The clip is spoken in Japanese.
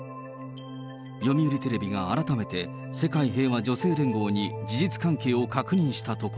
読売テレビが改めて世界平和女性連合に事実関係を確認したところ。